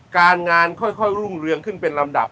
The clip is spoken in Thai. การงานค่อยรุ่งเรืองขึ้นเป็นลำดับ